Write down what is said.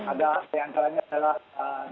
ada diantaranya adalah ee